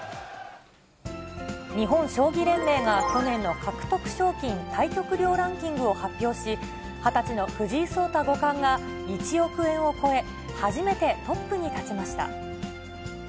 日本将棋連盟が、去年の獲得賞金・対局料ランキングを発表し、２０歳の藤井聡太五冠が１億円を超え、初めてトップに立ちました。